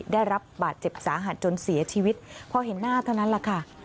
ได้รับบาดเจ็บสาหัสจนเสียชีวิตพอเห็นหน้าเท่านั้นแหละค่ะ